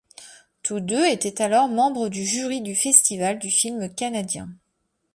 Tous deux étaient alors membres du jury du Festival du film canadien.